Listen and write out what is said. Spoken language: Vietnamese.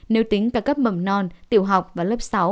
nếu tính cả cấp mầm non tiểu học và lớp sáu